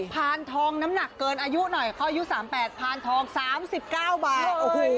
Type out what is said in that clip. พานทองน้ำหนักเกินอายุหน่อยเขาอายุ๓๘พานทอง๓๙บาท